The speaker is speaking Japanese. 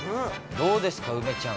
どうですか、梅ちゃん。